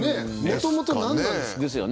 もともと何なんですか？